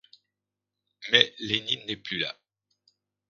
Mais Lénine n’est plus là.